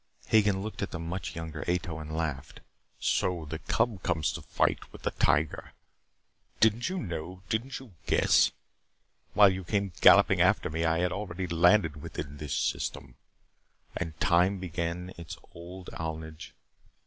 Hagen looked at the much younger Ato and laughed. "So, the cub comes to fight with the tiger? Didn't you know? Didn't you guess? While you came galloping after me, I had already landed within this system. And time began its old alnage.